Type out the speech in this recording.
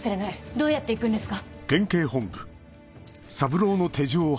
どうやって行くんですか？